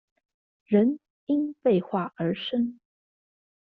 人因廢話而生